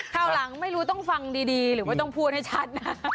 คราวหลังไม่รู้ต้องฟังดีหรือไม่ต้องพูดให้ชัดนะ